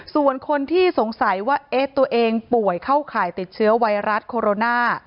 ส่วนคนที่สงสัยว่าตัวเองป่วยเข้าข่ายติดเชื้อไวรัสโคโรนา